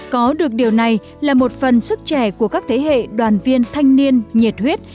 có được điều này là một phần sức trẻ của các thế hệ đoàn viên thanh niên nhiệt huyết